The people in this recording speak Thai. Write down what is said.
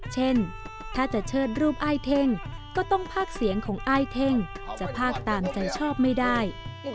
เช่นถ้าจะเชิดรูปอ้ายเท่งก็ต้องภาคเสียงของอ้ายเท่งจะพากตามใจชอบไม่ได้